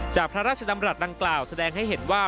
พระราชดำรัฐดังกล่าวแสดงให้เห็นว่า